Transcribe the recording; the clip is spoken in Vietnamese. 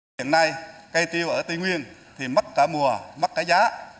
hiện nay cây tiêu ở tây nguyên thì mất cả mùa mất cả giá